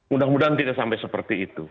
mudah mudahan tidak sampai seperti itu